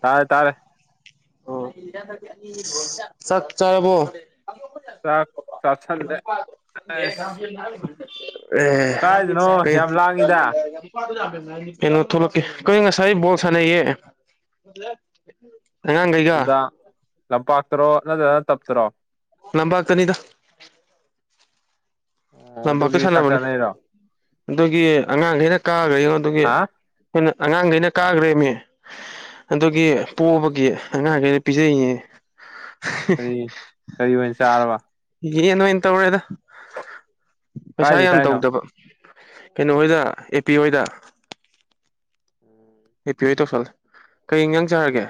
ꯇꯥꯔꯦ ꯇꯥꯔꯦ ꯑꯣ ꯆꯥꯛ ꯆꯥꯔꯕꯣ ꯆꯥꯛ ꯆꯥꯁꯜꯂꯦ ꯃꯄꯥ [unintelligible] ꯑꯁ ꯀꯥꯏꯗꯅꯣ ꯌꯥꯝ ꯂꯥꯡꯉꯤꯗ ꯑꯦ ꯀꯩꯅꯣ ꯊꯣꯛꯂꯛꯀꯦ ꯀꯩꯅ [unintelligible] ꯉꯁꯥꯏ ꯕꯣꯜ ꯁꯥꯟꯅꯩꯌꯦ ꯑꯉꯥꯡꯈꯩꯒ ꯅꯨꯝꯗꯥꯡ ꯂꯝꯄꯥꯛꯇꯔꯣ ꯅꯠꯇ꯭ꯔꯒ ꯇꯞꯇꯔꯣ ꯂꯝꯄꯥꯛꯇꯅꯤꯗ ꯑꯣ ꯂꯝꯄꯥꯛꯇ ꯑꯗꯨꯒꯤ ꯆꯥꯛ ꯁꯥꯟꯅꯕꯅꯦ ꯆꯥꯅꯩꯔꯣ ꯑꯗꯒꯤ ꯑꯉꯥꯡꯈꯩꯅ ꯀꯥꯒ꯭ꯔꯦ ꯑꯗꯨꯒꯤ ꯍꯥ ꯑꯈꯣꯏꯅ ꯑꯉꯥꯡꯒꯩꯅ ꯀꯥꯈ꯭ꯔꯦꯃꯤ ꯑꯗꯨꯒꯤ ꯄꯣꯕꯒꯤ ꯑꯉꯥꯡꯈꯩꯩꯗ ꯄꯤꯖꯩꯅꯦ ꯀꯔꯤ ꯀꯔꯤ ꯑꯣꯏꯅ ꯆꯥꯔꯕ ꯌꯦꯟ ꯑꯣꯏꯅ ꯇꯧꯔꯦꯗ ꯄꯩꯁꯥ ꯀꯥꯏꯗ ꯌꯥꯝ ꯆꯥꯏꯅꯣ ꯇꯧꯗꯕ ꯀꯩꯅꯣ ꯍꯣꯏꯗ ꯑꯦꯄꯦ ꯍꯣꯏꯗ ꯑꯣ ꯑꯦꯄꯦ ꯍꯣꯏ ꯇꯧꯁꯜꯂꯦ ꯀꯩ ꯏꯟꯖꯥꯡ ꯆꯥꯔꯒꯦ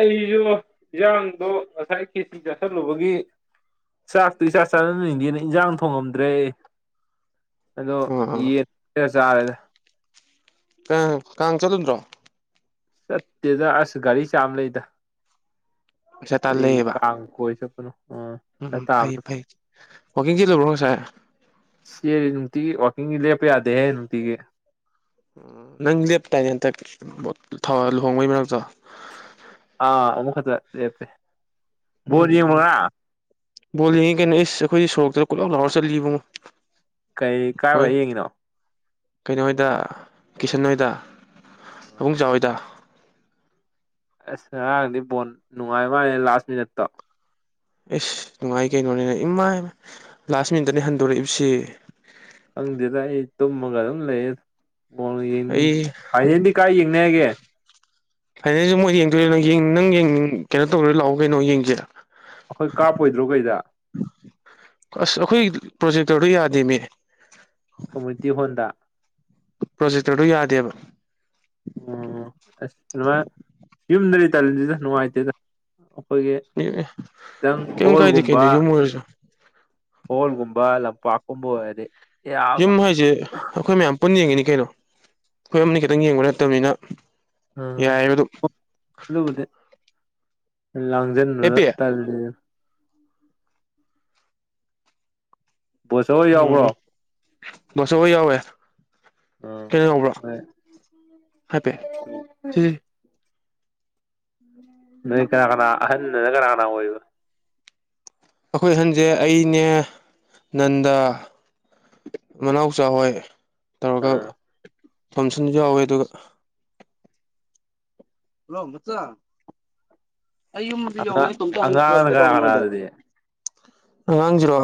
ꯑꯩꯗꯨ ꯌꯦꯟꯖꯥꯡꯗꯣ ꯉꯁꯥꯏ ꯈꯦꯆꯤ ꯆꯥꯁꯤꯜꯂꯨꯕꯒꯤ ꯆꯥꯛꯇꯤ ꯏꯆꯥ ꯆꯥꯅꯅꯤꯡꯗꯦꯅ ꯏꯟꯖꯥꯡ ꯊꯣꯡꯉꯝꯗ꯭ꯔꯦ ꯑꯗꯣ ꯑꯥ ꯌꯦ [unintelligible] ꯆꯥꯔꯦꯗ ꯑ ꯀꯥꯡ ꯆꯠꯗ꯭ꯔꯣ ꯆꯠꯇꯦꯗ ꯑꯁ ꯒꯥꯔꯤ ꯆꯥ ꯑꯃ ꯂꯩꯗ ꯄꯩꯁꯥ ꯇꯥꯟ ꯀꯔꯤ ꯂꯩꯌꯦꯕ ꯀꯥꯡ ꯀꯣꯢ ꯆꯠꯄꯅꯣ ꯑ ꯎꯝ ꯈꯔ ꯎꯝ ꯐꯩꯌꯦ ꯇꯥꯕꯅ ꯐꯩ ꯋꯥꯀꯤꯡ ꯆꯦꯂꯨꯕ꯭ꯔꯣ ꯉꯁꯥꯏ ꯁꯤ ꯅꯨꯡꯇꯤꯒꯤ ꯋꯥꯛꯀꯤꯡꯒꯤ ꯂꯦꯞꯄ ꯌꯥꯗꯦꯍꯦ ꯅꯨꯡꯇꯤꯒꯤ ꯅꯪꯖꯦ ꯄꯦꯔꯦꯟꯇꯒꯤ ꯍꯟꯇꯛ ꯂꯨꯍꯣꯡꯕꯒꯤ ꯃꯔꯛꯇꯣ [inaudible] ꯑ ꯑꯃꯨꯛ ꯍꯠꯇ ꯂꯦꯞꯄꯦ ꯎꯝ ꯕꯣꯜ ꯎꯝ ꯌꯦꯡꯕ꯭ꯔꯥ ꯕꯣꯜꯂꯤꯉ ꯀꯩꯅꯣ ꯏꯁ ꯑꯩꯈꯣꯏꯗꯤ ꯁꯣꯔꯣꯛꯇ ꯄꯨꯂꯥꯎ ꯂꯥꯎꯔ ꯆꯠꯂꯤ ꯏꯕꯨꯡꯉꯣ ꯀꯩ ꯍꯣꯏ ꯀꯥꯏꯋꯥꯏ ꯌꯦꯡꯉꯤꯅꯣ ꯀꯩꯅꯣ ꯍꯣꯏꯗ ꯀꯤꯁꯟ ꯍꯣꯏꯗ ꯄꯕꯨꯡꯆꯥꯥ ꯍꯣꯏꯗ ꯑꯁ ꯉꯔꯥꯡꯗꯤ ꯕꯣꯟ ꯅꯨꯡꯉꯥꯏ ꯃꯥꯜꯂꯦ ꯂꯥꯁ ꯃꯤꯅꯤꯠꯇꯣ ꯑꯦꯁ ꯅꯨꯡꯉꯥꯏ ꯀꯩꯅꯣꯅꯦ ꯏꯃꯥ ꯂꯥꯁ ꯃꯤꯅꯤꯠꯇꯅꯦ ꯍꯟꯗꯣꯔꯛꯏꯕꯁꯤ ꯈꯪꯗꯦꯗ ꯑꯩ ꯇꯨꯝꯃꯒ ꯑꯗꯨꯝ ꯂꯩꯌꯦ ꯕꯨꯜꯒ ꯌꯦꯡꯅꯤꯡꯗꯦ ꯑꯩ ꯐꯥꯏꯅꯦꯜꯗꯤ ꯀꯥꯏ ꯌꯦꯡꯅꯤ ꯍꯥꯏꯒꯦ ꯐꯥꯏꯅꯁꯨ ꯃꯣꯏ ꯌꯦꯡꯗꯣꯏꯅꯣ ꯅꯪꯡ ꯀꯩꯅꯣ ꯇꯧꯔ ꯂꯥꯛꯑꯣ ꯀꯩꯅꯣ ꯌꯦꯡꯁꯤ ꯑꯩꯈꯣꯏ ꯀꯥꯞꯄꯣꯏꯗ꯭ꯔꯣ ꯀꯩꯗ ꯑꯁ ꯑꯩꯈꯣꯏ ꯄ꯭ꯔꯣꯖꯦꯛꯇꯔꯗꯣ ꯌꯥꯗꯦꯃꯦ ꯀꯃꯨꯅꯤꯇꯤ ꯍꯣꯟꯗ ꯄ꯭ꯔꯣꯖꯦꯛꯇꯔꯗꯨ ꯌꯥꯗꯦꯕ ꯑꯣ ꯑꯁ ꯑꯗꯨꯃꯥꯏ ꯌꯨꯝꯗꯗꯤ ꯇꯜꯂꯤꯁꯤꯗ ꯅꯨꯡꯉꯥꯏꯇꯦꯗ ꯑꯩꯈꯣꯏꯒꯤ ꯗꯪ ꯀꯩꯝ ꯀꯥꯏꯗꯦ ꯀꯩꯅꯣ ꯍꯣꯜꯒꯨꯝꯕ ꯌꯨꯝ ꯑꯣꯏꯔꯁꯨ ꯍꯣꯜꯒꯨꯝꯕ ꯂꯝꯄꯥꯛꯀꯨꯝꯕ ꯑꯣꯏꯔꯗꯤ ꯌꯥꯕ ꯌꯨꯝ ꯍꯥꯏꯁꯦ ꯑꯩꯈꯣꯏ ꯃꯌꯥꯝ ꯄꯨꯟꯅ ꯌꯦꯡꯉꯤꯅꯤ ꯀꯩꯅꯣ ꯑꯩꯈꯣꯏ ꯑꯃꯅꯤ ꯈꯤꯇꯪ ꯌꯦꯡꯕ ꯅꯠꯇꯕꯅꯤꯅ ꯑ ꯌꯥꯏꯑꯕ ꯑꯗꯨꯝ ꯑꯗꯨꯕꯨꯗꯤ ꯂꯥꯡꯁꯤꯟꯗꯨ ꯑꯦꯄꯦ ꯇꯜꯂꯤ ꯎꯝ ꯌꯥꯎꯕ꯭ꯔꯣ ꯎꯝ ꯃꯁ ꯑꯩꯏ ꯌꯥꯎꯋꯦ ꯎꯝ ꯀꯩꯅ ꯌꯥꯎꯕ꯭ꯔꯥ ꯍꯣꯏ ꯍꯥꯏ ꯄꯦ ꯁꯤ ꯅꯣꯏ ꯀꯅꯥ ꯀꯅꯥ ꯑꯍꯟꯅꯅ ꯀꯅꯥ ꯀꯅꯥ ꯑꯣꯏꯕ ꯑꯩꯈꯣꯏ ꯑꯍꯟꯁꯦ ꯑꯩꯅꯦ ꯅꯟꯗ ꯃꯅꯥꯎ ꯆꯥ ꯍꯣꯏ ꯇꯧꯔꯒ ꯑꯥ ꯐꯪꯁꯟꯁꯨ ꯌꯥꯎꯋꯦ ꯑꯗꯨꯒ ꯍꯜꯂꯣ ꯃꯆꯥ ꯑꯩ ꯌꯨꯝꯗ ꯌꯧꯔꯦ ꯑꯉꯥꯡ ꯑꯉꯥꯡꯅ ꯀꯅꯥ ꯀꯅꯥ ꯀꯣꯝꯇꯧꯅꯗ ꯑꯗꯨꯗꯤ ꯑꯉꯥꯡꯁꯤꯔꯣ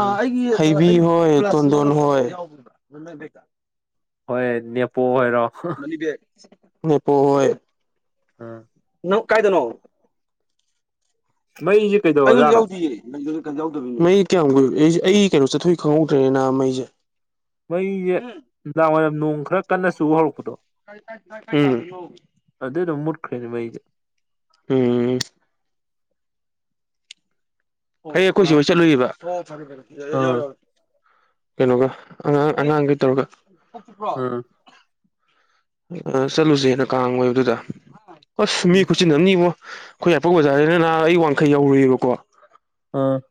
ꯑ ꯑꯩꯒꯤ ꯍꯩꯕꯤ ꯍꯣꯏ ꯇꯣꯟꯗꯣꯟ ꯍꯣꯏ ꯍꯣꯏ ꯅꯦꯄꯣ ꯑꯣꯏꯔꯣ [unintelligible] ꯅꯦꯄꯣ ꯍꯣꯏ ꯎꯝ ꯅꯪ ꯀꯥꯏꯗꯅꯣ ꯃꯩꯁꯦ ꯑꯩꯉꯣꯟ ꯀꯩꯗꯧꯔꯖꯥꯠꯅꯣ ꯌꯥꯎꯗꯦ ꯃꯩ ꯀꯌꯥꯝ ꯀꯨꯏ ꯑꯩꯁꯦ ꯑꯩ ꯀꯩꯅꯣ ꯆꯠꯊꯣꯛꯏ ꯈꯪꯍꯧꯗ꯭ꯔꯦꯅ ꯃꯩꯁꯦ ꯃꯩꯁꯦ ꯅꯨꯡꯗꯥꯡꯋꯥꯏꯔꯝ ꯅꯣꯡ ꯈꯔ ꯀꯟꯅ ꯆꯨꯕ ꯍꯧꯔꯛꯄꯗꯣ ꯎꯝ ꯑꯗꯨꯗ ꯃꯨꯠꯈꯔꯦꯅꯦ ꯃꯩꯁꯦ ꯎꯝ ꯑꯩ ꯑꯩꯈꯣꯏ ꯆꯦ ꯑꯥ ꯍꯣꯏ ꯆꯠꯂꯨꯏꯕ ꯑꯣ ꯐꯔꯦ ꯐꯔꯦ ꯌꯥ ꯌꯥꯎꯔꯦ ꯀꯩꯅꯣꯒ ꯑꯉꯥꯡ ꯑꯉꯥꯡꯒ ꯇꯧꯔꯒ [unintelligible] ꯑꯥ ꯑ ꯆꯠꯂꯨꯁꯦꯅ ꯀꯥꯡ ꯑꯣꯏꯕꯑꯗꯨꯗ ꯑꯥꯁ ꯃꯤ ꯈꯨꯆꯤꯟ ꯑꯃꯥꯅꯤꯕꯣ ꯏꯕꯣ ꯑꯩꯈꯣꯏ ꯌꯥꯔꯤꯄꯣꯛ ꯕꯖꯥꯔꯁꯤꯗ ꯅꯍꯥ ꯑꯩ ꯋꯥꯡꯈꯩ ꯌꯔꯨꯏꯕꯀꯣ ꯎꯝ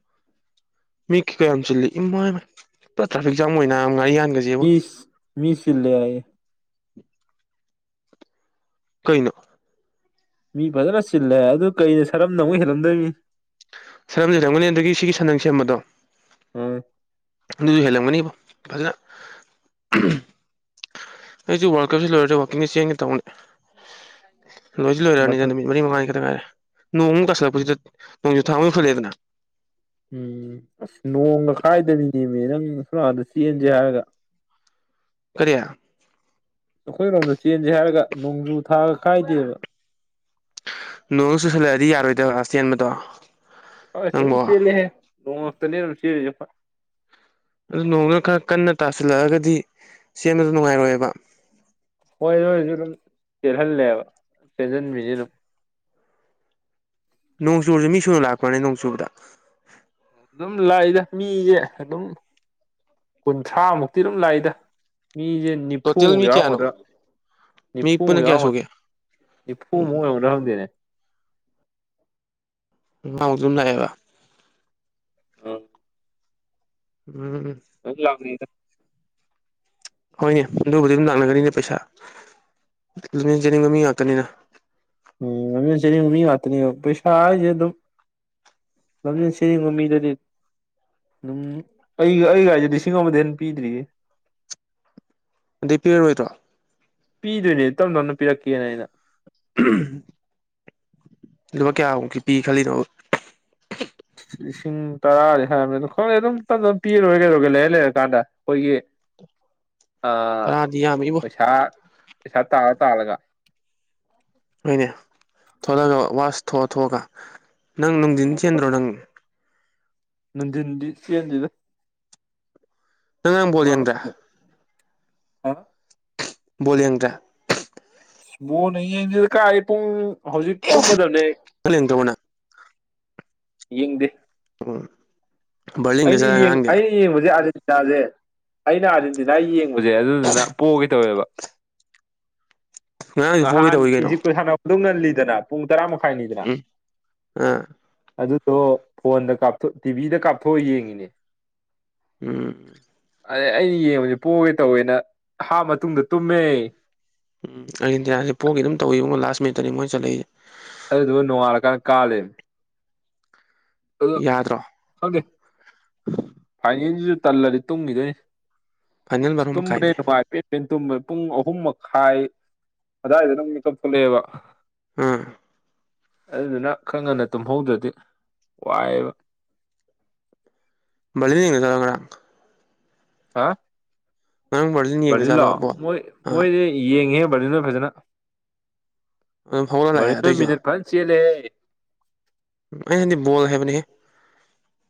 ꯃꯤ ꯀ ꯀꯌꯥꯝ ꯌꯥꯝ ꯆꯤꯜꯂꯤ ꯏꯃꯥ ꯄꯨꯔꯥ ꯇ꯭ꯔꯥꯐꯤꯛ ꯖꯥꯝ ꯑꯣꯏꯅ ꯌꯥꯝ ꯉꯥꯔꯤ ꯌꯥꯟꯒꯁꯤ ꯏꯁ ꯃꯤ ꯁꯤꯜꯂꯦ ꯍꯥꯏꯌꯦ ꯀꯩꯅꯣ ꯃꯤ ꯐꯖꯅ ꯆꯤꯜꯂꯦ ꯑꯗꯨ ꯀꯩꯗ ꯁꯔꯝꯗ ꯑꯃꯨꯛ ꯍꯦꯜꯂꯝꯗꯣꯏꯅꯤ ꯁꯔꯝꯅ ꯍꯦꯟꯂꯝꯒꯅꯤ ꯑꯗꯒꯤ ꯁꯤꯒꯤ ꯁꯟꯅꯪ ꯁꯦꯝꯕꯗꯣ ꯑꯥ ꯑꯗꯨꯁꯨ ꯍꯦꯜꯂꯝꯒꯅꯤꯕꯣ ꯐꯖꯅ ꯑꯩꯁꯨ ꯋꯥꯔꯜ ꯀꯞꯁꯤ ꯂꯣꯏꯔ ꯋꯥꯛꯀꯤꯡꯁꯦ ꯆꯦꯟꯒꯦ ꯇꯧꯅꯦ ꯂꯣꯏꯗꯤ ꯂꯣꯏꯔꯛꯑꯅꯤꯅ ꯃꯊꯛ ꯅꯨꯃꯤꯠ ꯃꯔꯤ ꯃꯉꯥꯅꯤ ꯈꯤꯇꯪ ꯉꯥꯏꯔꯦ ꯅꯣꯡꯃꯨꯛ ꯀꯥꯁꯤꯜꯂꯛꯄꯁꯤꯗ ꯅꯣꯡꯁꯨꯨ ꯊꯥ ꯑꯃꯨꯛ ꯌꯧꯁꯟꯂꯛꯑꯦꯗꯅ ꯎꯝ ꯑꯁ ꯅꯣꯡꯒ ꯈꯥꯏꯗꯕꯤꯅꯤ ꯅꯦꯃꯤ ꯅꯪ ꯁꯣꯝ ꯅꯥꯀꯠꯗ ꯆꯦꯟꯁꯦ ꯍꯥꯏꯔꯒ [inaudible] ꯀꯔꯤ ꯑꯩꯈꯣꯏꯔꯣꯝꯗ ꯆꯦꯟꯁꯦ ꯍꯥꯏꯔꯒ ꯅꯣꯡꯖꯨ ꯊꯥꯒ ꯈꯥꯏꯗꯦꯕ ꯅꯣꯡꯁꯦ ꯆꯨꯁꯜꯂꯛꯑꯗꯤ ꯌꯥꯔꯣꯏꯗ ꯑ ꯆꯦꯟꯕꯗꯣ [unintelligible] ꯅꯪꯕꯣ ꯅꯣꯡꯛꯇꯅꯦ ꯑꯗꯨꯝ ꯆꯦꯟꯂꯤꯁꯦ ꯑꯩꯈꯣꯏ ꯑꯗꯨ ꯅꯣꯡꯗꯨꯅ ꯈꯔ ꯀꯟꯅ ꯇꯥꯁꯤꯜꯂꯛꯑꯒꯗꯤ ꯆꯦꯟꯕꯗꯣ ꯅꯨꯡꯉꯥꯏꯔꯣꯏꯑꯕ ꯍꯣꯏ ꯑꯗꯨꯣꯏꯁꯨ ꯑꯗꯨꯝ ꯆꯦꯜꯍꯜꯂꯦꯕ ꯆꯦꯟꯁꯤꯟꯕꯤꯅꯤ ꯑꯗꯨꯝ ꯅꯣꯡꯆꯨꯔꯁꯦ ꯃꯤ ꯁꯨꯅ ꯂꯥꯛꯄ꯭ꯔꯅꯦ ꯅꯣꯡ ꯆꯨꯕꯗ ꯑꯗꯨꯝ ꯂꯥꯛꯏꯗ ꯃꯤꯁꯦ ꯑꯗꯨꯝ ꯀꯨꯟꯊ꯭ꯔꯥ ꯃꯨꯛꯇꯤ ꯑꯗꯨꯝ ꯂꯥꯛꯏꯗ ꯃꯤꯁꯦ ꯇꯣꯇꯦꯜ ꯅꯤꯐꯨꯃꯨꯛ ꯃꯤ ꯀꯌꯥꯅꯣ ꯌꯥꯎꯔꯝꯒꯗ꯭ꯔꯥ ꯃꯤ ꯅꯤꯐꯨꯃꯨꯛ ꯄꯨꯟꯅ ꯀꯌꯥ ꯁꯨꯒꯦ ꯌꯥꯎꯔꯝꯒꯗ ꯅꯤꯐꯨꯃꯨꯛ ꯎꯝ ꯑꯣꯏꯔꯝꯒꯗ꯭ꯔ ꯈꯪꯗꯦꯅꯦ ꯉꯥꯎꯖꯨꯝ ꯂꯥꯛꯑꯦꯕ ꯑꯪ ꯎꯝ [unintelligible] ꯍꯣꯏꯅꯦ ꯑꯗꯨꯕꯨꯗꯤ ꯑꯗꯨꯝ ꯂꯥꯛꯅꯒꯅꯤꯅꯦ ꯄꯩꯁꯥ ꯂꯝꯖꯦꯟꯆꯦꯟꯅꯤꯡꯕ ꯃꯤ ꯉꯥꯛꯇꯅꯤꯅ ꯎꯝ ꯂꯝꯖꯦꯟ ꯆꯦꯟꯅꯤꯡꯕ ꯃꯤ ꯉꯥꯛꯇꯅꯤꯕ ꯄꯩꯁꯥ ꯍꯥꯏꯁꯦ ꯑꯗꯨꯝ ꯂꯝꯖꯦꯟ ꯆꯦꯟꯅꯤꯡꯕ ꯃꯤꯗꯗꯤ ꯑꯗꯨꯝ ꯑꯩꯒ ꯑꯩꯒꯥꯏꯁꯦ ꯂꯤꯁꯤꯡ ꯑꯃꯗ ꯍꯦꯟ ꯄꯤꯗ꯭ꯔꯤꯌꯦ ꯑꯗꯩ ꯄꯤꯔꯔꯣꯏꯗ꯭ꯔꯣ ꯄꯤꯗꯣꯏꯅꯦ ꯇꯞꯅ ꯇꯞꯅ ꯄꯤꯔꯛꯀꯦꯅ ꯑꯩꯅ ꯂꯨꯄꯥ ꯀꯌꯥꯃꯨꯛꯀꯤ ꯄꯤ ꯈꯜꯂꯤꯅꯣ ꯂꯤꯁꯤꯡ ꯇꯔꯥꯗꯤ ꯍꯥꯏꯕꯅꯦ ꯑꯗꯨ ꯈꯪꯗꯦ ꯑꯗꯨꯝ ꯇꯞ ꯇꯞꯅ ꯄꯤꯔ ꯂꯣꯏꯔꯦ ꯀꯩꯗꯧꯔꯒꯦ ꯂꯩꯔ ꯂꯩꯔꯀꯥꯟꯗ ꯑꯩꯈꯣꯏꯒꯤ [unintelligible] ꯑ ꯇꯔꯥꯗꯤ ꯌꯥꯝꯃꯤꯕꯣ ꯄꯩꯁꯥ ꯄꯩꯁꯥ ꯇꯥꯂ ꯇꯥꯜꯂꯒ ꯍꯣꯏꯅꯦ ꯊꯣꯛꯣꯂꯛꯒ ꯋꯥꯁ ꯊꯣꯛꯑ ꯊꯣꯛꯑꯒ ꯅꯪ ꯅꯨꯡꯊꯤꯟ ꯆꯦꯟꯗ꯭ꯔꯣ ꯅꯪ ꯅꯨꯡꯗꯤꯟꯗꯤ ꯆꯦꯟꯗꯦꯗ ꯅꯪ ꯉꯔꯥꯡ ꯕꯣꯜ ꯌꯦꯡꯗ꯭ꯔꯦ ꯋꯥꯁ ꯍꯥ ꯕꯣꯜ ꯌꯦꯡꯗ꯭ꯔꯦ ꯕꯣꯜꯀꯥ ꯌꯦꯡꯗꯦꯗꯥ ꯀꯥꯏꯗꯩ ꯄꯨꯡ ꯍꯧꯖꯤꯛ ꯇꯨꯝꯃꯗꯕꯅꯦ ꯑꯩ ꯅꯪ ꯌꯦꯡꯗ꯭ꯔꯕꯣ ꯅꯪ ꯌꯦꯡꯗꯦ ꯍꯣꯢ ꯑꯩꯅ ꯌꯦꯡ ꯌꯦꯡꯕꯁꯦ ꯑꯥꯔꯖꯦꯟꯇꯤꯅꯥꯁꯦ ꯑꯩꯅ ꯑꯥꯔꯖꯦꯟꯇꯤꯅꯥ ꯌꯦꯡꯕꯖꯦ ꯑꯗꯨꯗꯨꯅ ꯄꯣꯒꯦ ꯇꯧꯋꯦꯕ ꯉꯔꯥꯡꯁꯨ ꯄꯣꯒꯦ ꯉꯥꯍꯥꯟ ꯇꯧꯋꯤ ꯀꯩꯅꯣ ꯏꯖꯤꯞꯀꯥ ꯁꯥꯅꯕ ꯑꯗꯨ ꯉꯜꯂꯤꯗꯅ ꯄꯨꯡ ꯇꯔꯥ ꯃꯈꯥꯏꯅꯤꯗꯅ ꯎꯝ ꯑꯥ ꯑꯗꯨꯗꯣ ꯐꯣꯟꯗ ꯀꯥꯞ ꯇꯤꯚꯤꯗ ꯀꯥꯞꯊꯣꯛꯑ ꯌꯦꯡꯉꯤꯅꯦ ꯎꯝ ꯑꯥ ꯑꯩꯅ ꯌꯦꯡꯕꯁꯦ ꯄꯣꯒꯦ ꯇꯧꯋꯦꯅ ꯍꯥꯞ ꯃꯇꯨꯡꯗ ꯇꯨꯝꯃꯦ ꯎꯝ ꯑꯥꯔꯖꯦꯟꯇꯤꯅꯥꯁꯦ ꯄꯣꯒꯦ ꯑꯗꯨꯝ ꯇꯧꯏꯕꯣ ꯂꯥꯁ ꯃꯤꯅꯠꯇꯅꯤ ꯃꯣꯏ ꯆꯠꯂꯛꯏꯁꯦ ꯑꯗꯨꯗꯨꯒ ꯅꯣꯡꯉꯥꯂꯀꯥꯟꯗ ꯀꯥ ꯂꯩꯔꯃꯤ ꯑꯗꯣ ꯌꯥꯗ꯭ꯔꯣ ꯍꯪꯗꯦ ꯐꯥꯏꯅꯦꯜꯁꯤꯁꯨ ꯇꯜꯂꯗꯤ ꯇꯨꯝꯈꯤꯗꯣꯏꯅꯤ ꯐꯥꯏꯅꯦꯜ ꯢꯁ ꯕꯥꯔꯣ ꯇꯨꯝꯕꯅ ꯃꯈꯥꯏꯅꯦ ꯍꯦꯅ ꯅꯨꯡꯉꯥꯏ ꯄꯦꯟ ꯄꯦꯟ ꯇꯨꯝꯕ ꯄꯨꯡ ꯑꯍꯨꯝ ꯃꯈꯥꯏ ꯑꯗꯥꯏꯗ ꯅ ꯃꯤꯀꯞ ꯊꯣꯛꯂꯛꯑꯦꯕ ꯑꯥ ꯑꯗꯨꯗꯨꯅ ꯈꯔ ꯉꯟꯅ ꯇꯨꯝꯍꯧꯗ꯭ꯔꯗꯤ ꯋꯥꯏꯑꯦꯕ ꯃꯔꯤꯂꯩꯅꯖꯥꯠꯂꯣ ꯉꯥꯔꯥꯡ ꯍꯥ ꯉꯅꯨ ꯃꯔꯤ [unintelligible] ꯃꯔꯤꯟꯂꯣ ꯃꯣꯏ ꯃꯣꯏꯗꯤ ꯌꯦꯡꯉꯤꯍꯦ ꯚꯔꯅꯤꯜꯍꯣꯏ ꯐꯖꯅ ꯑꯗꯨꯝ ꯍꯧꯒꯠꯂ ꯂꯥꯛꯑꯦ ꯚꯔꯅꯤꯜꯍꯣꯢ ꯑꯗꯨꯏꯁꯨ ꯃꯤꯅꯠ ꯐꯖꯅ ꯆꯦꯜꯂꯤꯍꯦ ꯑꯩꯍꯥꯏꯗꯤ ꯕꯣꯜ ꯍꯥꯏꯕꯅꯤꯍꯦ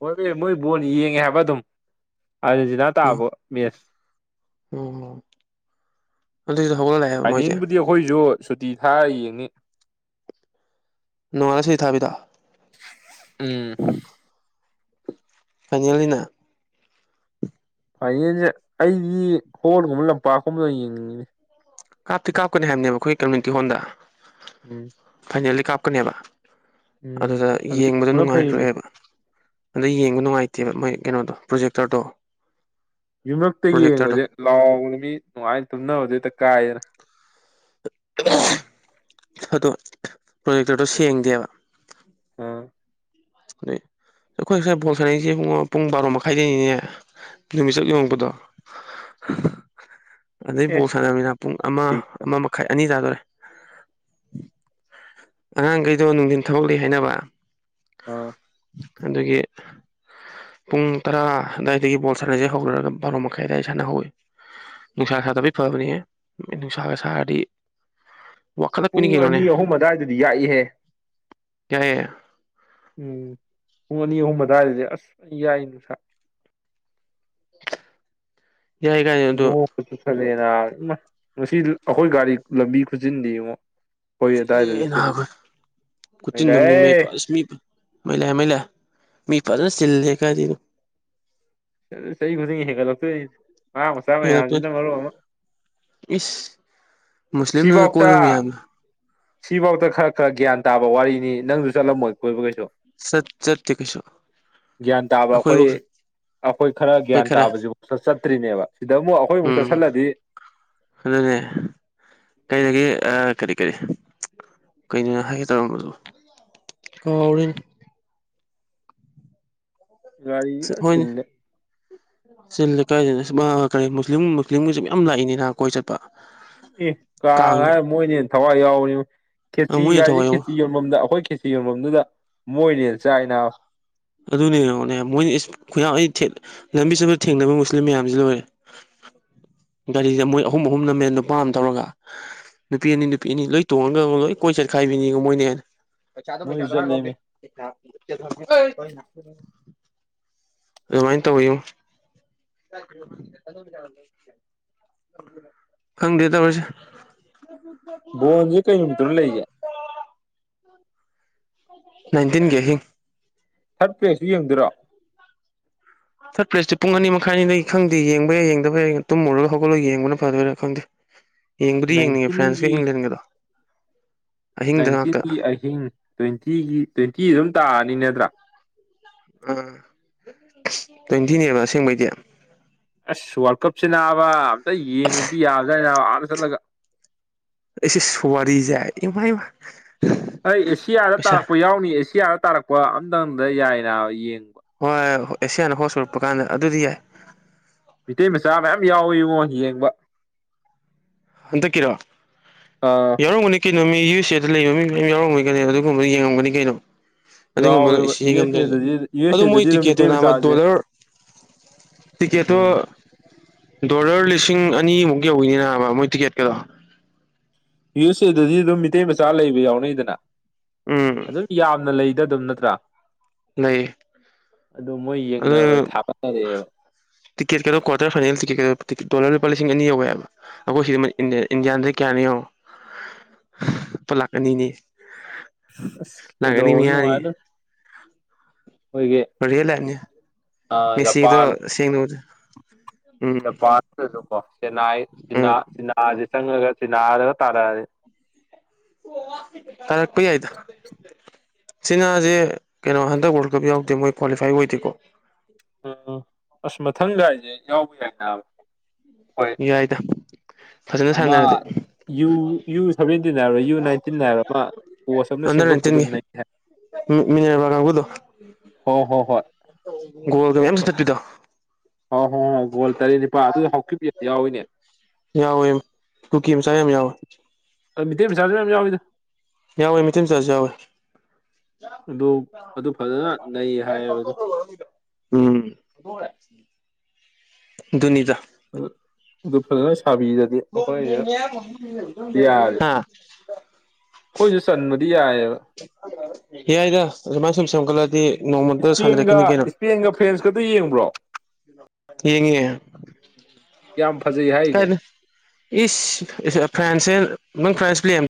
ꯍꯣꯏꯃꯦ ꯃꯣꯏ ꯕꯣꯟ ꯌꯦꯡꯉꯦ ꯍꯥꯏꯕ ꯑꯗꯨꯝ ꯑꯖꯦꯟꯇꯤꯅ ꯇꯥꯕꯣ ꯃꯦꯁ ꯑꯣ ꯑꯗꯨꯏꯁꯨ ꯍꯧꯒꯠꯂ ꯂꯥꯛꯑꯦꯕ ꯃꯣꯏꯁꯦ ꯐꯥꯏꯅꯦꯜꯕꯨꯗꯤ ꯑꯩꯈꯣꯏꯁꯨ ꯁꯨꯇꯤ ꯊꯥꯔꯥ ꯌꯦꯡꯅꯤ ꯅꯣꯉꯥꯟ ꯁꯩꯇꯤꯊꯥꯕꯤꯗꯦ ꯎꯝ ꯐꯥꯏꯅꯦꯜꯅꯤꯅ ꯐꯥꯏꯅꯦꯜꯁꯦ ꯑꯩꯗꯤ ꯍꯣꯜꯒꯨꯝꯕ ꯂꯝꯄꯥꯛꯀꯨꯝꯕꯗ ꯌꯦꯡꯅꯤꯡꯉꯤꯅꯦ ꯀꯥꯞꯇꯤ ꯀꯥꯞꯀꯅꯤ ꯍꯥꯏꯕꯅꯦꯕ ꯈꯣꯈꯣꯏ ꯀꯝꯃꯨꯅꯤꯇꯤ ꯍꯣꯜꯗ ꯎꯝ ꯐꯥꯏꯅꯦꯜꯗꯤ ꯀꯥꯞꯀꯅꯦꯕ ꯎꯝ ꯑꯗꯨꯗ ꯑꯗꯨꯗꯤ ꯌꯦꯡꯕꯗꯥ ꯄꯨꯅ ꯐꯩꯃꯤ ꯅꯨꯡꯉꯥꯏꯔꯣꯏꯕ ꯑꯗꯥ ꯌꯦꯡꯕ ꯅꯨꯡꯉꯥꯏꯇꯦꯕ ꯃꯥꯏ ꯀꯩꯅꯣꯗꯣ ꯄ꯭ꯔꯣꯖꯦꯛꯇꯔꯗꯣ ꯌꯨꯝꯂꯛꯇ ꯄ꯭ꯔꯣꯖꯦꯛꯇꯔꯗꯣ ꯌꯦꯡꯕꯁꯦ ꯂꯥꯎꯕꯗ ꯃꯤ ꯅꯨꯡꯉꯥꯏꯅ ꯇꯨꯝꯅꯕꯗ ꯍꯦꯛꯇ ꯀꯥꯏꯑꯦꯅ ꯑꯗꯣ ꯄ꯭ꯔꯣꯖꯦꯛꯇꯔꯗꯣ ꯁꯦꯡꯗꯦꯕ ꯑꯥ ꯑꯩꯈꯣꯏ ꯁꯥꯏ ꯕꯣꯜ ꯁꯥꯟꯅꯩꯁꯦ ꯏꯕꯨꯡꯉꯣ ꯄꯨꯡ ꯕꯥꯔꯣ ꯃꯈꯥꯏꯗꯩꯅꯤꯅꯦ ꯅꯨꯃꯤꯠ ꯆꯞ ꯌꯨꯡꯉꯛꯄꯗꯣ ꯑꯗꯩ ꯑꯦ ꯕꯣꯜ ꯁꯥꯟꯅꯃꯤꯅ ꯄꯨꯡ ꯑꯃ ꯑꯩ ꯑꯃ ꯃꯈꯥꯏ ꯑꯅꯤ ꯇꯥꯗꯣꯔꯦ ꯑꯉꯥꯡꯒꯩꯗꯣ ꯅꯨꯡꯗꯤꯟ ꯊꯕꯛ ꯂꯩ ꯍꯥꯏꯅꯕ ꯑꯥ ꯑꯗꯨꯒꯤ ꯄꯨꯡ ꯇꯔꯥ ꯑꯗꯥꯏꯗꯒꯤ ꯕꯣꯜ ꯁꯥꯟꯅꯁꯦ ꯍꯧꯔꯒ ꯕꯥꯔꯣ ꯃꯈꯥꯏ ꯑꯗꯥꯏ ꯁꯥꯟꯅ ꯍꯧꯋꯦ ꯅꯨꯡꯁꯥ ꯁꯥꯗꯕꯒꯤ ꯐꯕꯅꯦꯍꯦ ꯅꯣꯏ ꯅꯨꯡꯁꯥꯒ ꯁꯥꯔꯗꯤ ꯋꯥꯈꯠꯂꯛꯄꯅꯤ ꯄꯨꯡ ꯀꯩꯅꯣꯅꯦ ꯑꯅꯤ ꯑꯍꯨꯝ ꯑꯗꯥꯏꯗꯗꯤ ꯌꯥꯛꯏꯍꯦ ꯌꯥꯏꯌꯦ ꯎꯝ ꯄꯨꯡ ꯑꯅꯤ ꯑꯍꯨꯝ ꯑꯗꯨꯗꯥꯏꯗꯗꯤ ꯑꯁ ꯌꯥꯛꯏ ꯅꯨꯡꯁꯥ ꯌꯥꯏ ꯀꯥꯏꯅ ꯑꯗꯣ ꯅꯣꯛꯄꯁꯨ ꯐꯖꯩ ‌ꯅꯕꯥ ꯏꯃꯥꯏ ꯉꯁꯤ ꯑꯩꯈꯣꯏ ꯒꯥꯔꯤ ꯂꯝꯕꯤ ꯈꯨꯆꯤꯟꯗꯤꯉꯣ ꯆꯤꯟꯂꯤꯌꯦ ꯅꯕꯥ ꯈꯨꯆꯤꯟꯑꯝꯅꯦ ꯃꯦ ꯃꯩꯂꯩ ꯐꯥꯁ ꯁꯂꯤꯞ ꯃꯩ ꯂꯥꯛꯑꯦ ꯃꯩ ꯂꯥꯛꯑꯦ ꯃꯤ ꯐꯖꯅ ꯆꯤꯜꯂꯦꯍꯦ ꯀꯤꯏꯗꯩꯅꯣ ꯆꯍꯤ ꯈꯨꯗꯤꯡꯒꯤ ꯍꯦꯟꯒꯠꯂꯛꯇꯣꯏꯅꯤ ꯃꯌꯥꯡ ꯃꯆꯥ ꯍꯦꯜꯂꯛꯇꯣꯏꯅꯤ ꯃꯌꯥꯝꯁꯤꯅ ꯃꯔꯣꯟ ꯑꯃ ꯏꯁ ꯃꯨꯁꯂꯤꯝꯅꯒ ꯁꯤꯕꯣꯛꯇ ꯀꯣꯏꯕ ꯃꯌꯥꯝꯗꯣ ꯁꯤꯕꯣꯛꯇ ꯈꯔ ꯈꯔ ꯒ꯭ꯌꯥꯟ ꯇꯥꯕ ꯋꯥꯔꯤꯅꯤ ꯅꯪꯁꯨ ꯆꯠꯂꯝꯃꯣꯏ ꯀꯣꯏꯕ ꯀꯩꯁꯨ ꯆꯠ ꯆꯠꯇꯦ ꯀꯩꯁꯨ ꯒ꯭ꯌꯥꯟ ꯇꯕꯔꯥ ꯑꯩꯈꯣꯏ ꯑꯩꯈꯣꯏꯕꯧ ꯑꯩꯈꯣꯏ ꯈꯔ ꯒ꯭ꯌꯥꯟ ꯇꯥꯕꯁꯤꯐꯥꯎ ꯆꯠ ꯆꯠꯇ꯭ꯔꯤꯅꯦꯕ ꯁꯤꯗ ꯃꯨꯛ ꯑꯩꯈꯣꯏ ꯑꯃꯨꯛ ꯎꯝ ꯆꯠꯁꯤꯜꯂꯗꯤ ꯑꯗꯨꯅꯦ ꯀꯩꯗꯒꯤ ꯑ ꯀꯔꯤ ꯀꯔꯤ ꯀꯩꯅꯣ ꯍꯥꯏꯒꯦ ꯇꯧꯔꯝꯕꯗꯣ ꯀꯥꯎꯔꯦꯅꯦ ꯒꯔꯤꯖꯦ ꯐꯖꯟ ꯆꯤꯟꯂꯦ ꯆꯤ ꯂꯦ ꯀꯥꯏꯗꯩꯅꯣ ꯑꯁꯃꯥ‌ ꯀꯔꯤ ꯃꯨꯁꯂꯤꯝ ꯃꯨꯁꯂꯤꯝꯒꯤꯁꯨ ꯃꯌꯥꯝ ꯂꯥꯛꯏꯅꯦ ꯅ ꯀꯣꯏ ꯆꯠꯄ ꯑꯦ ꯀꯥꯡ ꯀꯥꯡꯅꯦ ꯍꯥꯏꯔ ꯃꯣꯏꯅ ꯍꯦꯟꯅ ꯊꯋꯥꯏ ꯌꯥꯎꯕꯅꯦꯉꯣ ꯈꯦꯆꯤ ꯃꯣꯏꯅ ꯒꯥꯁꯦ ꯊꯋꯥꯏ ꯌꯥꯎ ꯈꯦꯆꯤ ꯌꯣꯟ ꯃꯝꯗ ꯑꯩꯈꯣꯏ ꯈꯦꯁꯤ ꯌꯣꯟꯕꯝꯗꯨꯗ ꯃꯣꯏꯅ ꯍꯦꯟꯅ ꯆꯥꯏꯅ ꯅꯕꯥ ꯑꯗꯨꯅꯦ‌ ꯌꯦꯡꯉꯨꯅꯦ ꯃꯣꯏꯅ ꯏꯁ ꯈꯨꯌꯥꯟ ꯑꯩ ꯊꯦ ꯂꯝꯕꯤ ꯆꯠꯄꯗ ꯊꯦꯡꯅꯕ ꯃꯨꯁꯂꯤꯟ ꯃꯌꯥꯝꯖꯦ ꯂꯣꯏꯔꯦ ꯒꯥꯔꯤꯗ ꯃꯣꯏ ꯑꯍꯨꯝ ꯑꯍꯨꯝ ꯅꯝꯃꯦ ꯅꯨꯄꯥ ꯑꯃ ꯊꯧꯔꯒ ꯅꯨꯄꯤ ꯑꯅꯤ ꯅꯨꯄꯤ ꯑꯅꯤ ꯂꯣꯏ ꯇꯣꯡꯉꯒꯉꯣ ꯂꯣꯏ ꯀꯣꯏ ꯆꯠꯈꯥꯏꯕꯤꯅꯤꯉꯣ ꯃꯣꯏꯅ ꯍꯦꯟ ꯄꯩꯁꯥꯗꯣ ꯃꯣꯏꯁꯨ ꯄꯩꯁꯥꯗꯣ ꯍꯥꯏꯔꯣ ꯂꯥꯎꯁꯦ ꯆꯠꯂꯦꯃꯤ [unintelligible] ꯑꯗꯨꯃꯥꯏꯟ ꯇꯧꯋꯦꯉꯣ ꯈꯪꯗꯦ ꯇꯧꯔꯤꯁꯦ ꯕꯣꯟꯖꯦ ꯀꯩ ꯅꯨꯃꯤꯠꯇꯅꯣ ꯂꯩꯖꯦ ꯅꯥꯏꯟꯇꯤꯟꯒꯤ ꯑꯥꯍꯤꯡ ꯊꯥꯔꯠ ꯄꯂꯦꯁꯨ ꯌꯦꯡꯗꯣꯏꯔꯣ ꯊꯥꯔꯠ ꯄꯂꯦꯁꯇꯤ ꯄꯨꯡ ꯑꯅꯤ ꯃꯥꯈꯏꯅꯤꯅ ꯈꯪꯗꯦ ꯌꯦꯡꯕ ꯌꯥꯏ ꯌꯦꯡꯗꯕ ꯌꯥꯏ ꯇꯨꯝꯃꯨꯔꯒ ꯍꯧꯠꯂꯒ ꯌꯦꯡꯕ ꯐꯗꯣꯏꯔꯥ ꯈꯪꯗꯦ [inaudible] ꯌꯦꯡꯕꯨꯗꯤ ꯌꯦꯡꯅꯤꯡꯉꯦ ꯐ꯭ꯔꯥꯟꯁꯀꯥ ꯅꯥꯏꯟꯇꯤꯟꯒꯤ ꯏꯪꯂꯦꯟꯒꯗꯣ ꯑꯍꯤꯡꯗ ꯉꯥꯛꯇ ꯅꯥꯏꯟꯇꯤꯟꯒꯤ ꯑꯍꯤꯡ ꯇ꯭ꯋꯦꯟꯇꯤꯒꯤ ꯇ꯭ꯋꯦꯟꯇꯤ ꯑꯗꯨꯝ ꯇꯥꯔꯅꯤ ꯅꯠꯇ꯭ꯔꯥ ꯎꯝ ꯇ꯭ꯋꯦꯟꯇꯤꯅꯦꯕ ꯑꯁꯦꯡꯕꯩꯗꯤ ꯑꯁ ꯋꯥꯔꯜ ꯀꯞꯁꯤ ꯅꯥꯕ ꯑꯝꯇꯥ ꯌꯦꯡꯉꯨꯕꯗꯤ ꯌꯥꯕꯖꯠꯅꯤ ꯅꯥꯕ ꯑꯥꯗ ꯆꯠꯂꯒ ꯏꯁ ꯏꯁ ꯋꯥꯔꯤꯖꯦ ꯏꯃꯥꯏꯃꯥ ꯑꯩ ꯑꯦꯁꯤꯌꯥꯗ ꯄꯩꯁꯥ ꯇꯥꯔꯛꯄ ꯌꯥꯎꯅꯤꯌꯦ ꯑꯦꯁꯤꯌꯥꯗ ꯇꯥꯔꯛꯄ ꯑꯝꯇꯪꯗ ꯌꯥꯏ ꯅꯥꯕ ꯌꯦꯡꯕ ꯍꯣꯏ ꯑꯦꯁꯤꯌꯥꯅ ꯍꯣꯁ ꯑꯣꯏꯔꯛꯄ ꯀꯥꯟꯗ ꯑꯗꯨꯗꯤ ꯌꯥꯏ ꯃꯤꯇꯩ ꯃꯆꯥ ꯃꯌꯥꯝ ꯌꯥꯎꯏꯉꯣ ꯌꯦꯡꯕ ꯍꯟꯗꯛꯀꯤꯔꯥ ꯑꯥ ꯌꯥꯎꯔꯝꯒꯅꯤ ꯀꯩꯅꯣ ꯃꯤ ꯌꯨ ꯑꯦꯁ ꯑꯦ ꯗꯥ ꯂꯩꯕ ꯃꯤ ꯃꯌꯥꯝ ꯌꯥꯎꯔꯝꯒꯅꯤ ꯀꯩꯅꯣ ꯑꯗꯨꯒꯨꯝꯕ ꯌꯦꯡꯉꯝꯒꯥꯅꯤ ꯀꯩꯅꯣ ꯑꯗꯨꯒꯨꯝꯕꯅ ꯌꯥꯎꯋꯦꯕ ꯏꯁ ꯌꯨ ꯑꯦꯁ ꯑꯦꯗꯗꯤ ꯌꯦꯡꯉꯝꯗꯣꯏꯅꯦ ꯌꯨ ꯑꯗꯨ ꯑꯦꯁ ꯑꯦꯗꯗꯤ ꯃꯣꯏ ꯑꯗꯨꯝ ꯇꯤꯛꯀꯦꯠꯇꯨ ꯃꯤꯇꯩ ꯅꯥꯕ ꯃꯆꯥꯁꯦ ꯗꯣꯂꯔ ꯎꯝ ꯇꯤꯀꯦꯠꯇꯣ ꯗꯣꯂꯔ ꯂꯤꯁꯤꯡ ꯑꯅꯤꯃꯨꯛ ꯌꯧꯋꯤꯅꯦ ꯅꯥꯕ ꯃꯣꯏ ꯇꯤꯛꯀꯦꯠꯀꯥꯗꯣ ꯌꯨ ꯑꯦꯁ ꯑꯦ ꯗꯥꯗꯤ ꯑꯗꯨꯝ ꯃꯤꯇꯩ ꯃꯆꯥ ꯂꯩꯕ ꯌꯥꯎꯅꯩꯗꯅ ꯎꯝ ꯑꯗꯨꯝ ꯌꯥꯝꯅ ꯂꯩꯗ ꯑꯗꯨꯝ ꯅꯠꯇ꯭ꯔꯥ ꯂꯩ ꯑꯗꯨ ꯃꯣꯏ ꯌꯦꯡꯅꯕ ꯊꯥꯒꯠꯅꯔꯛꯑꯦꯕ ꯇꯤꯀꯦꯠ ꯀꯥꯗꯣ ꯀ꯭ꯋꯥꯇꯔ ꯐꯥꯏꯅꯦꯜ ꯇꯤꯀꯦꯠ ꯗꯣꯂꯔ ꯂꯨꯄꯥ ꯂꯤꯁꯤꯡ ꯑꯅꯤ ꯌꯧꯋꯦ ꯍꯥꯏꯕ ꯑꯈꯣꯏ ꯁꯤꯗ ꯏꯟꯗꯤꯌꯥꯟꯗ ꯀꯌꯥꯅꯣ ꯌꯦꯡꯉꯣ ꯂꯨꯄꯥ ꯂꯥꯛꯈ ꯑꯅꯤꯅꯦ ꯑꯁ ꯀꯩꯗꯧꯔ ꯅꯨꯉꯥꯏꯗꯣꯏꯅꯣ ꯔꯤꯌꯦꯜ ꯂꯥꯏꯞꯅꯤ ꯃꯦꯁꯤꯗꯣ ꯖꯄꯥꯟ ꯁꯦꯡꯅ ꯎꯝ ꯖꯥꯄꯥꯟ ꯅꯠꯇ꯭ꯔꯖꯨꯀꯣ ꯆꯦꯟꯅꯥꯏ ꯆꯤꯅꯥ ꯎꯝ ꯆꯤꯅꯥ ꯖꯦ ꯆꯪꯉꯥꯒ ꯆꯤꯅꯥꯗꯒ ꯇꯥꯔꯛꯑꯗꯤ ꯇꯥꯔꯛꯄ ꯌꯥꯏꯗ ꯆꯤꯅꯥꯖꯦ ꯀꯩꯅꯣ ꯍꯟꯗꯛ ꯋꯥꯔꯜ ꯀꯞ ꯌꯥꯎꯗꯦ ꯃꯣꯏ ꯀ꯭ꯋꯥꯂꯤꯐꯥꯏ ꯑꯣꯏꯗꯦꯀꯣ ꯎꯝ ꯎꯝ ꯑꯁ ꯃꯊꯪꯒꯥꯏꯗꯤ ꯌꯥꯎꯕ ꯌꯥꯏ ꯅꯥꯕ ꯍꯣꯏ ꯌꯥꯏꯗ ꯐꯖꯅ ꯑꯃ ꯁꯥꯟꯅꯔꯗꯤ ꯌꯨ ꯌꯨ ꯁꯥꯚꯦꯟꯇꯤꯟ ꯍꯥꯏꯕ꯭ꯔꯥ ꯌꯨ ꯅꯥꯏꯟꯇꯤꯟ ꯍꯥꯏꯕ꯭ꯔꯥ ꯑꯃ ꯀꯣꯁ ꯑꯃꯅ ꯁꯦꯝꯒꯠꯄꯗꯨꯅ ꯅꯩ ꯍꯥꯏ ꯎꯝ ꯃꯤꯅꯥꯔꯕ ꯀꯥꯡꯕꯨꯗꯣ ꯍꯣ ꯍꯣ ꯍꯣꯏ ꯒꯣꯜꯒꯥ ꯃꯌꯥꯝ ꯆꯟꯊꯠꯄꯤꯗꯣ ꯍꯣꯏ ꯍꯣꯏ ꯒꯣꯜ ꯇꯔꯦꯠ ꯅꯤꯄꯥꯜ ꯑꯗꯨꯗ ꯍꯥꯎꯀꯤꯕ ꯌꯥꯝ ꯌꯥꯎꯋꯤꯅꯦ ꯌꯥꯎꯋꯦ ꯀꯨꯀꯤ ꯃꯆꯥ ꯌꯥꯝ ꯌꯥꯎꯋꯦ ꯃꯤꯇꯩ ꯃꯆꯥꯖꯨ ꯌꯥꯝ ꯌꯥꯎꯋꯤꯗꯥ ꯌꯥꯎꯏ ꯃꯤꯇꯩ ꯃꯆꯥꯖꯨ ꯌꯥꯎꯏ ꯑꯗꯨ ꯑꯗꯨ ꯐꯖꯅ ꯅꯩ ꯍꯥꯏꯌꯦꯕ ꯑꯗꯨ [unintelligible] ꯎꯝ ꯑꯗꯨꯅꯤꯗꯥ ꯑꯗꯨ ꯐꯖꯅ ꯁꯥꯕꯤꯔ [unintelligible] ꯍꯥ ꯑꯈꯣꯏꯖꯨ ꯆꯟꯕꯗꯤ ꯌꯥꯏ ꯌꯥꯏꯗ ꯑꯗꯨꯃꯥꯏꯅ ꯁꯨꯝ ꯁꯦꯝꯒꯠꯂꯛꯗꯤ ꯅꯣꯡꯃꯗꯤ ꯁꯥꯟꯅꯔꯛꯈꯤꯅꯤ ꯀꯩꯅꯣ ꯐꯦꯟꯁ ꯈꯛꯇ ꯌꯦꯡꯕ꯭ꯔꯣ ꯌꯦꯡꯉꯦ ꯌꯥꯝ ꯐꯖꯩ ꯍꯥꯏ ꯀꯥꯏ ꯏꯁ ꯐ꯭ꯔꯥꯟꯁꯦ ꯅꯪ ꯐ꯭ꯔꯥꯟꯁ ꯄ꯭ꯂꯦ